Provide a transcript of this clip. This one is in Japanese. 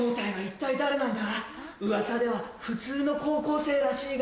ウワサでは普通の高校生らしいが。